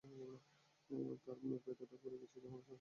তাঁর মুখ এতটাই পুড়ে গেছে যে, কোনো সাড়া পর্যন্ত দিতে পারেন না।